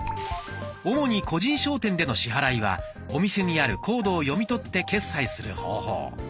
主に個人商店での支払いはお店にあるコードを読み取って決済する方法。